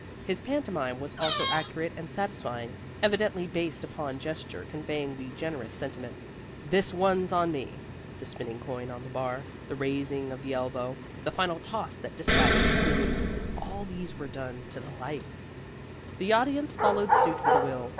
His pantomime was also accurate and satisfying, evidently based upon seasoned experience. The argument as to who should pay, the gesture conveying the generous sentiment "This one's on me," the spinning of a coin on the bar, the raising of the elbow, the final toss that dispatched the fluid all these were done to the life. The audience followed suit with a will.